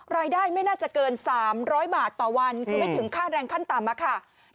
ไม่น่าจะเกิน๓๐๐บาทต่อวันคือไม่ถึงค่าแรงขั้นต่ำอะค่ะ